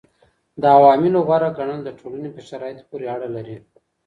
د عواملو غوره ګڼل د ټولني په شرايطو پوري اړه لري.